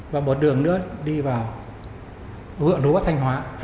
và một đường nữa đi vào hướng đu bắc thanh hóa